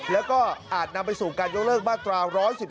แล้วก็อาจนำไปสู่การยกเลิกมาตรา๑๑๒